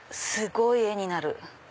すごい画になる！